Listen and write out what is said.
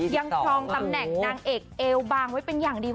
ครองตำแหน่งนางเอกเอวบางไว้เป็นอย่างดี